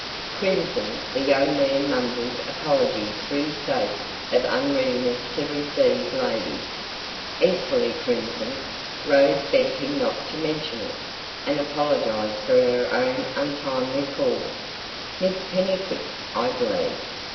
Crimson, the young man mumbled apologies for his state of unreadiness to receive ladies; equally crimson, Rose begged him not to mention it, and apologised for her own untimely call. "Miss Pennycuick, I believe?"